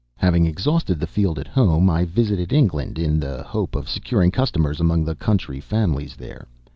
Having exhausted the field at home, I visited England in the hope of securing customers among the country families there.